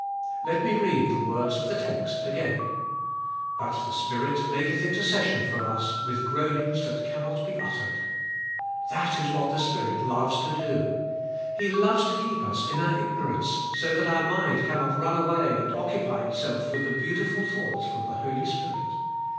Let me read the words of the text again, "But the Spirit maketh in tercession for us with groanings that cannot be ut tered!" That is what the Spirit loves to do. He 98 THE SPIRlTUAi I.IFK. loves to keep us in our ig norance, so that our mind cannot run away and occupy itself with the beauti ful thoughts from the Holy Spirit.